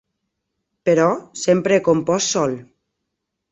Però sempre he compost sol.